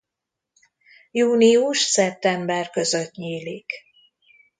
Június–szeptember között nyílik.